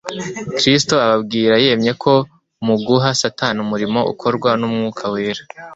Kristo ababwira yemye ko mu guha Satani umurimo ukorwa n'Umwuka Wera;